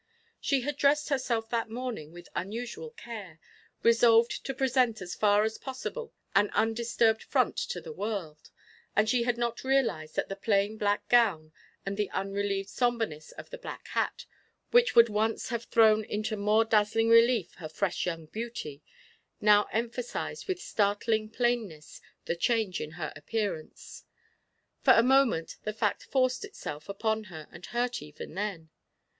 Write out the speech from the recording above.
She had dressed herself that morning with unusual care, resolved to present as far as possible an undisturbed front to the world; and she had not realized that the plain black gown, and the unrelieved sombreness of the black hat, which would once have thrown into more dazzling relief her fresh young beauty, now emphasized with startling plainness the change in her appearance. For a moment, the fact forced itself upon her and hurt even then.